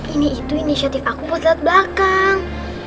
ini itu inisiatif aku buat lihat belakang